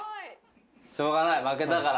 しょうがない負けたから。